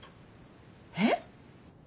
えっ？